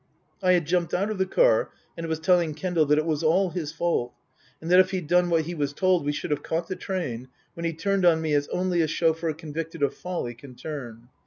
I had jumped out of the car and was telling Kendal that it was all his fault, and that if he'd done what he was told we should have caught the train, when he turned on me as only a chauffeur convicted of folly can turn.